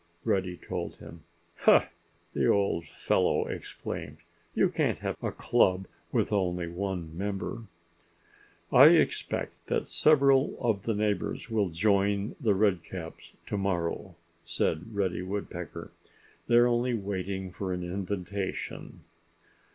Reddy told him. "Ha!" the old fellow exclaimed. "You can't have a club with only one member." "I expect that several of the neighbors will join The Redcaps to morrow," said Reddy Woodpecker. "They 're only waiting for an invitation."